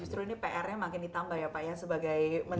justru ini pr nya makin ditambah ya pak ya sebagai menteri